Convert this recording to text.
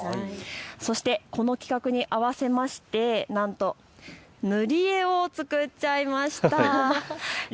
そしてこの企画に合わせましてなんと塗り絵を作っちゃいました。